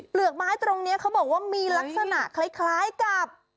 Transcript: กไม้ตรงนี้เขาบอกว่ามีลักษณะคล้ายกับ